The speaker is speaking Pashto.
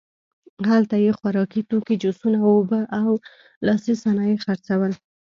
هلته یې خوراکي توکي، جوسونه، اوبه او لاسي صنایع خرڅول.